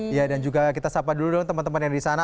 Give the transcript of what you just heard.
iya dan juga kita sapa dulu dong teman teman yang di sana